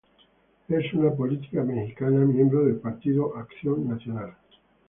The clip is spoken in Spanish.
Es una política mexicana miembro del Partido Acción Nacional.